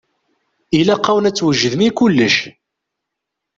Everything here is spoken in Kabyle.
Ilaq-awen ad twejdem i kullec.